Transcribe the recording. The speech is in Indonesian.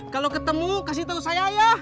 kalo ketemu kasih tau saya ya